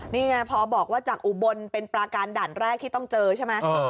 เพราะบอกว่าอุบลเป็นปราการดั่นแรกที่ต้องเจอใช่ไหม